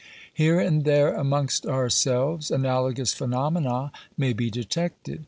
Here and there amongst ourselves, analogous phenomena may be detected.